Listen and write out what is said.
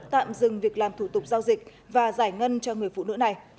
tạm dừng việc làm thủ tục giao dịch và giải ngân cho người phụ nữ này